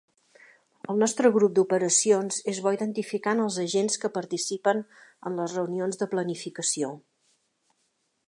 El nostre grup d'operacions és bo identificant els agents que participen en les reunions de planificació.